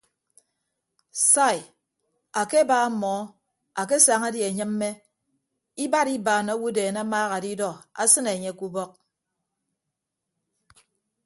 Sai akeba mọọ akesaña die anyịmme ibad ibaan owodeen amaaha adidọ asịne anye ke ubọk.